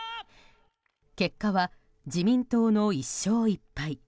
結果は自民党の１勝１敗。